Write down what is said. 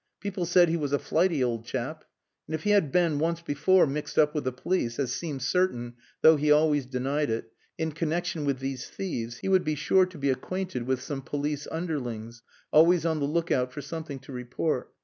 People said he was a flighty old chap. And if he had been once before mixed up with the police as seemed certain, though he always denied it in connexion with these thieves, he would be sure to be acquainted with some police underlings, always on the look out for something to report.